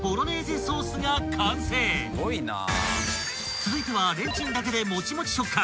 ［続いてはレンチンだけでもちもち食感］